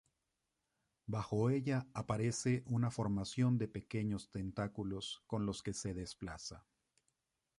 Bajo ella aparece una formación de pequeños tentáculos con los que se desplaza.